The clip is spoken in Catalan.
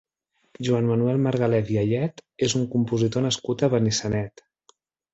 Joan Manuel Margalef i Ayet és un compositor nascut a Benissanet.